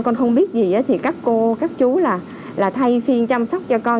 con không biết gì thì các cô các chú là thay phiên chăm sóc cho con